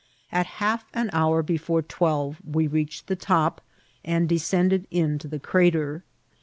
At half an hour be fore twelve we reached the top and descended into the crater.